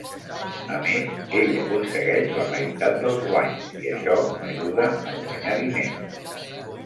A més ell aconsegueix la meitat dels guanys i això m'ajuda a guanyar diners.